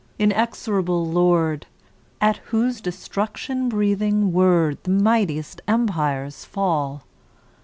inexorable lord! At whose destruction breathing word, The mightiest empires fall!